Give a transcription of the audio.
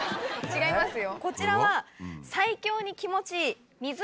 違いますよこちらは。